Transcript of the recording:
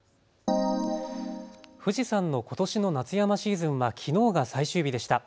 富士山のことしの夏山シーズンはきのうが最終日でした。